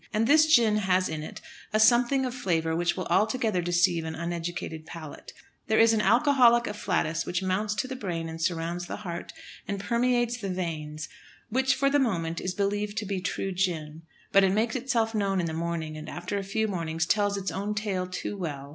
And this gin has in it a something of flavour which will altogether deceive an uneducated palate. There is an alcoholic afflatus which mounts to the brain and surrounds the heart and permeates the veins, which for the moment is believed to be true gin. But it makes itself known in the morning, and after a few mornings tells its own tale too well.